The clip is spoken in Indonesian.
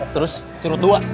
terus curut dua